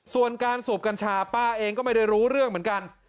ส่วนการสูบกัญชาป้าเองก็ไม่ได้รู้เรื่องเหมือนกัน